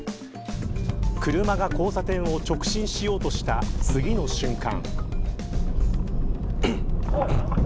車が交差点を直進しようとした次の瞬間。